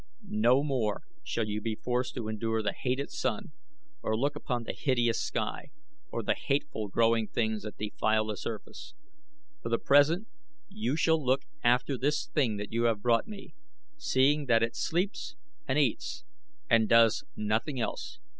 No more shall you be forced to endure the hated sun, or look upon the hideous sky, or the hateful growing things that defile the surface. For the present you shall look after this thing that you have brought me, seeing that it sleeps and eats and does nothing else.